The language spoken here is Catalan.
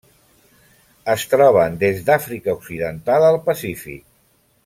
Es troben des d'Àfrica occidental al Pacífic.